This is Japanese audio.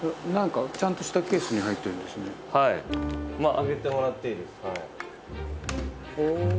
開けてもらっていいです。